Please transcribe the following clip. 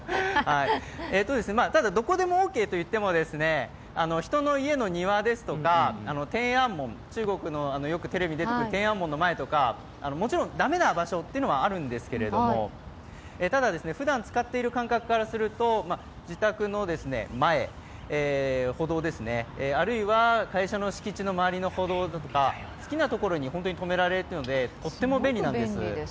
ただ、どこでもオーケーといっても、人の家の庭ですとか中国でテレビに出てくる天安門とかもちろん駄目な場所というのはあるんですけど、ただ、ふだん使っている感覚からすると、自宅の前、歩道、あるいは、会社の敷地の周りの歩道だとか好きなところに止められるので、とっても便利なんです。